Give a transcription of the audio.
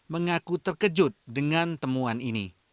mengaku terkejut dengan temuan ini